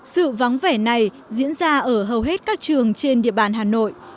sự vắng vẻ này diễn ra ở hầu hết các trường trên địa bàn hà nội